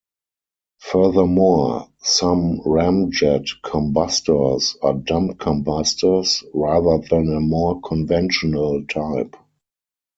Furthermore, some ramjet combustors are "dump combustors" rather than a more conventional type.